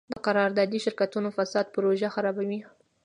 د قراردادي شرکتونو فساد پروژه خرابوي.